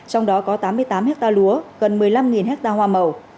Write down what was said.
trong đó có tám mươi tám ha lúa gần một mươi năm ha hoa màu